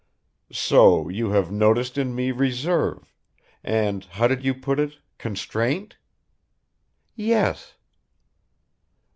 "So you have noticed in me reserve ... and, how did you put it constraint?" "Yes."